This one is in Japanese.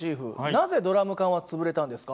なぜドラム缶は潰れたんですか？